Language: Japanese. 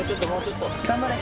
頑張れ。